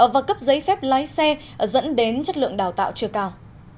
và cấp giấy phép lái xe dẫn đến chất lượng đào tạo chưa cao